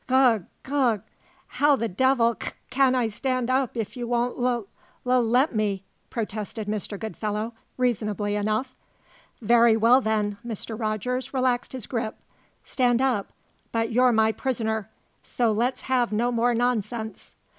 "Gug gug how the devil c can I stand up if you won't lul lul let me?" protested Mr. Goodfellow, reasonably enough. "Very well, then." Mr. Rogers relaxed his grip. "Stand up! But you're my prisoner, so let's have no more nonsense!"